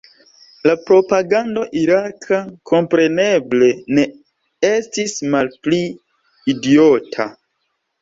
La propagando iraka, kompreneble, ne estis malpli idiota.